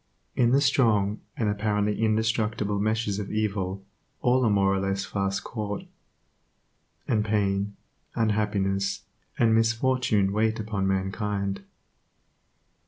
In the strong, and apparently indestructible meshes of evil all are more or less fast caught, and pain, unhappiness, and misfortune wait upon mankind.